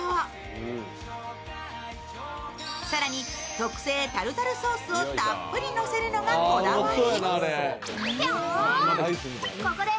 特製タルタルソースをたっぷりのせるのがこだわり。